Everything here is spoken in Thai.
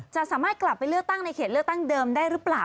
จะสามารถกลับไปเลือกตั้งในเขตเลือกตั้งเดิมได้หรือเปล่า